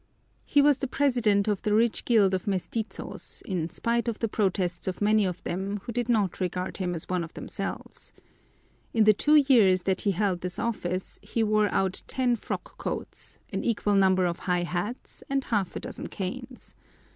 He was the president of the rich guild of mestizos in spite of the protests of many of them, who did not regard him as one of themselves. In the two years that he held this office he wore out ten frock coats, an equal number of high hats, and half a dozen canes.